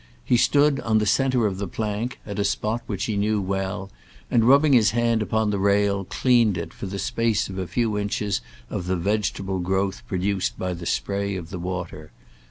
He stood on the centre of the plank, at a spot which he knew well, and rubbing his hand upon the rail, cleansed it for the space of a few inches of the vegetable growth produced by the spray of the water.